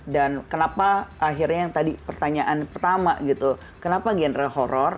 dan kenapa akhirnya yang tadi pertanyaan pertama gitu kenapa genre horror